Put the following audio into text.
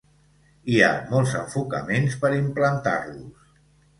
Hi ha molts enfocaments per implantar-los.